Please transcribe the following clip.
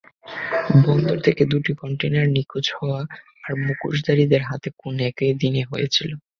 বন্দর থেকে দুটো কন্টেইনার নিখোঁজ হওয়া আর মুখোশধারীর হাতে খুন একই দিনে হয়েছিল।